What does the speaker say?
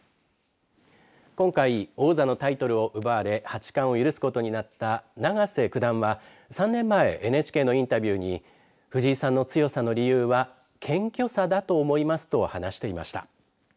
今回王座のタイトルを奪われ八冠を許すことになった永瀬九段は３年前でＮＨＫのインタビューに藤井さんの強さの理由は謙虚さだと思いますと話していました。